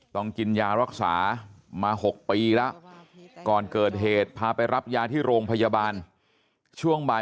ต้องกินยารักษามา๖ปีแล้วก่อนเกิดเหตุพาไปรับยาที่โรงพยาบาลช่วงบ่าย